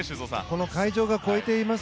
この会場が超えています